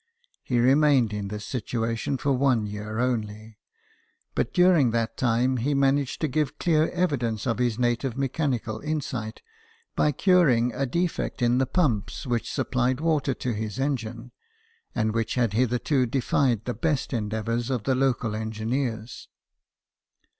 He GEORGE STEPHENSON, ENGINE MAN. 39 remained in this situation for one year only ; but during that time he managed to give clear evidence of his native mechanical insight by curing a defect in the pumps which supplied wa; er to his engine, and which had hitherto defied the best endeavours of the local engi neers.